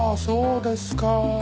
そうですか。